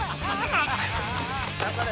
頑張れ！